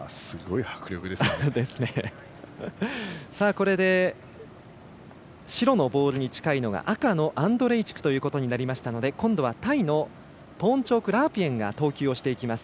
これで、白のボールに近いのが赤のアンドレイチクということになりましたので今度はタイのポーンチョーク・ラープイェンが投球をしていきます。